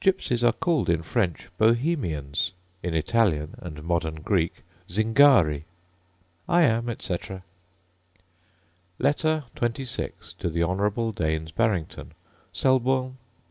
Gypsies are called in French, Bohemians; in Italian and modern Greek, Zingari. I am, etc. Letter XXVI To The Honourable Daines Barrington Selborne, Nov.